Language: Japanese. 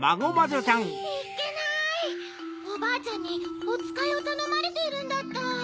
おばあちゃんにおつかいをたのまれているんだった。